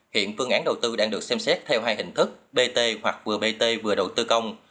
hiện phương án đầu tư đang được xem xét theo hai hình thức bt hoặc vừa bt vừa đầu tư công